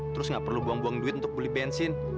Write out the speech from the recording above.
terus nggak perlu buang buang duit untuk beli bensin